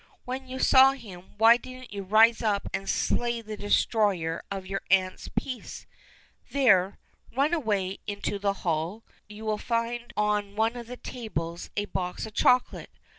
When you saw him why didn't you rise up and slay the destroyer of your aunt's peace? There; run away into the hall. You will find on one of the tables a box of chocolate.